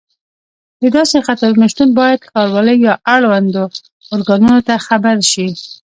د داسې خطرونو شتون باید ښاروالۍ یا اړوندو ارګانونو ته خبر شي.